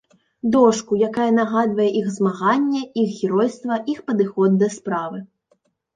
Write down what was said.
Дошку, якая нагадвае іх змаганне, іх геройства, іх падыход да справы.